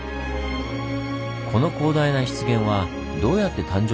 この広大な湿原はどうやって誕生したのか？